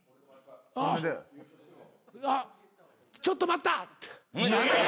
ちょっと待った！